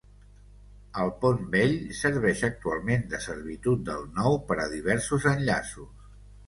El pont vell serveix actualment de servitud del nou per a diversos enllaços.